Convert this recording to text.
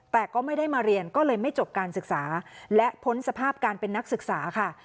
แต่ก็ไม่ได้มาเรียนก็เลยไม่จบการศึกษาและพ้นสภาพการเป็นนักศึกษาค่ะ